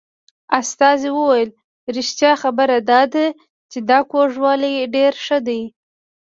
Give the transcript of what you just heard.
استازي وویل رښتیا خبره دا ده چې دا کوږوالی ډېر ښه دی.